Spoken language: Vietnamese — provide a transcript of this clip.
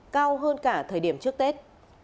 cao hơn cả thời điểm trước tết